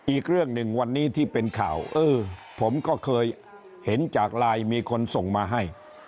อีกเรื่องหนึ่งวันนี้ที่เป็นข่าวเออผมก็เคยเห็นจากไลน์มีคนส่งมาให้